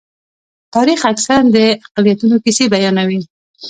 تاریخ اکثره د اقلیتونو کیسې بیانوي.